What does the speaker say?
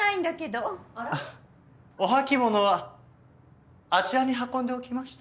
お履物はあちらに運んでおきました。